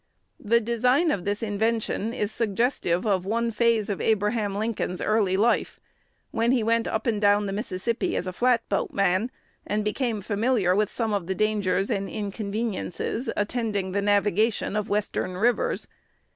"The design of this invention is suggestive of one phase of Abraham Lincoln's early life, when he went up and down the Mississippi as a flat boatman, and became familiar with some of the dangers and inconveniences attending the navigation of the Western rivers.